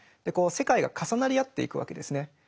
でこう世界が重なりあっていくわけですね。